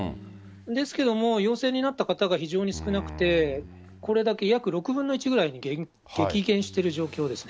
ですけれども、陽性になった方が非常に少なくて、これだけ約６分の１ぐらいに激減している状況ですね。